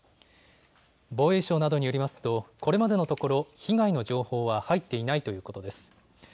防衛省などによりますとこれまでのところ被害の情報は入っていないということです。